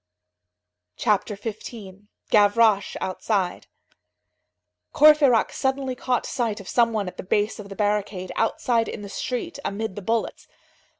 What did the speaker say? CHAPTER XV—GAVROCHE OUTSIDE Courfeyrac suddenly caught sight of some one at the base of the barricade, outside in the street, amid the bullets.